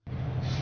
gak ada apa apa